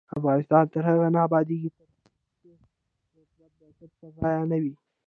افغانستان تر هغو نه ابادیږي، ترڅو د حکومت بنسټ پر رایه نه وي.